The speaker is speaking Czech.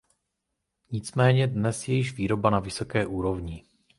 Nicméně dnes je již výroba na vysoké úrovni.